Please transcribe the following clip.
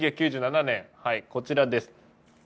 １９９７年こちらです。